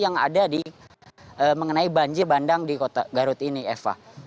yang ada mengenai banjir bandang di kota garut ini eva